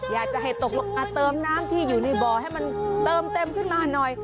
อยากจะให้ตกลงมาเติมน้ำที่อยู่ในบ่อให้มันเติมเต็มขึ้นมาหน่อย